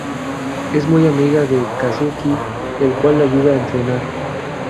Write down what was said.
Es muy amiga de Kazuki, el cual le ayuda a entrenar.